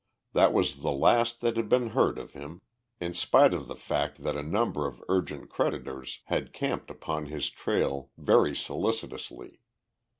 That was the last that had been heard of him, in spite of the fact that a number of urgent creditors had camped upon his trail very solicitously.